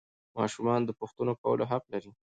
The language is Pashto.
ماشومان د پوښتنو کولو حق لري